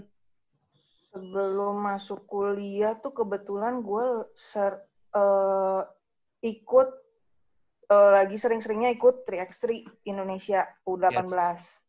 sebelum masuk kuliah tuh kebetulan gua ikut lagi sering seringnya ikut tiga x tiga indonesia udah berusaha